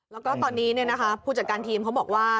แล้วก็ตอนนี้ผู้จัดการทีมเขาบอกว่า